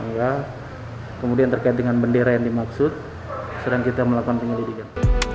enggak kemudian terkait dengan bendera yang dimaksud sedang kita melakukan penyelidikan